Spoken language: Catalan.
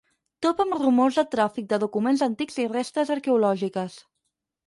Topa amb rumors de tràfic de documents antics i restes arqueològiques.